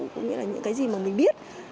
cũng nghĩ là những cái gì mà mình biết